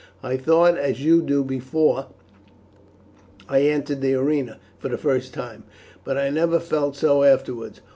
I thought as you do before I entered the arena the first time, but I never felt so afterwards.